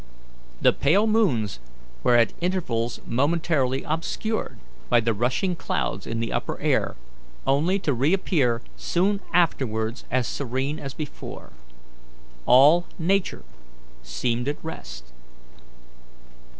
The pale moons were at intervals momentarily obscured by the rushing clouds in the upper air, only to reappear soon afterwards as serene as before. All Nature seemed at rest.